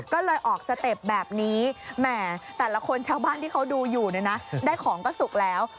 ก็เลยออกสเต็ปแบบนี้แหมแต่ละคนชาวบ้านที่เขาดูอยู่เนี่ยนะได้ของก็สุกแล้ว